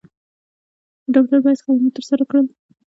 د ډاکټر پۀ حېث خدمات تر سره کړل ۔